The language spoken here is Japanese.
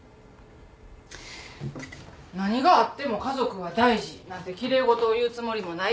何があっても家族は大事なんて奇麗事を言うつもりもない。